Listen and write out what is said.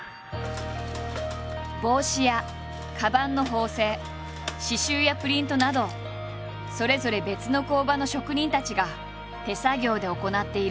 帽子やかばんの縫製刺しゅうやプリントなどそれぞれ別の工場の職人たちが手作業で行っている。